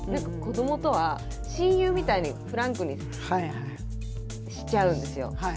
子どもとは親友みたいにフランクにしちゃうんですよ。